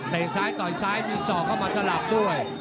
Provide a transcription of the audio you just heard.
ซ้ายต่อยซ้ายมีศอกเข้ามาสลับด้วย